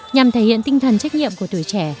nhằm thể hiện tinh thần trách nhiệm của tuổi trẻ